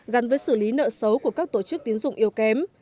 gắn với xử lý nợ xấu của các tổ chức tiến dụng yếu kém